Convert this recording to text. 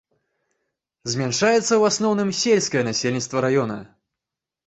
Змяншаецца ў асноўным сельскае насельніцтва раёна.